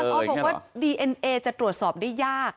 อาจารย์ออสบอกว่าดีเอนเอจะตรวจสอบได้ยาก